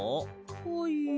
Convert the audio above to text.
はい。